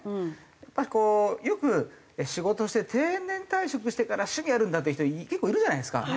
やっぱりこうよく仕事をして定年退職してから趣味あるんだっていう人結構いるじゃないですか。